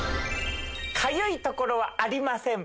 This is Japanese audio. かゆい所はありません！